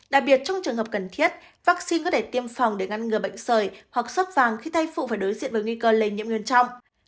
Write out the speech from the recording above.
đặc biệt trong trường hợp cần thiết vaccine có thể tiêm phòng để ngăn ngừa bệnh sởi hoặc sốt vàng khi thai phụ phải đối diện với nguy cơ lây nhiễm nguyên trọng